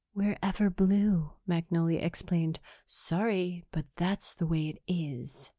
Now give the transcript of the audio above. "We're everblue," Magnolia explained. "Sorry, but that's the way it is."